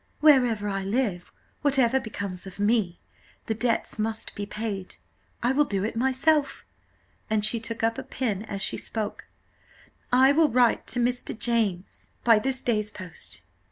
"Wherever I live whatever becomes of me, the debts must be paid I will do it myself;" and she took up a pen as she spoke "I will write to Mr. James by this day's post."